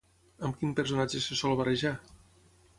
Amb quin personatge se sol barrejar?